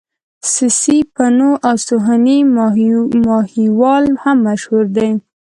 سسي پنو او سوهني ماهيوال هم مشهور دي.